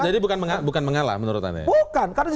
jadi bukan mengalah menurut anda ya